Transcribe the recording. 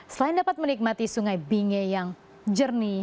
selain dapat menikmati sungai binge yang jernih